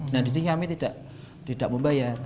nah di sini kami tidak membayar